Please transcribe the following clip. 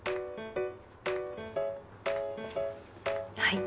はい。